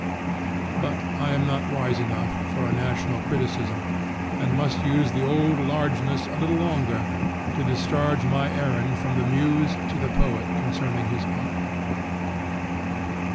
But I am not wise enough for a national criticism, and must use the old largeness a little longer, to discharge my errand from the muse to the poet concerning his art.